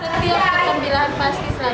tapi untuk kembilan pasti selalu singkat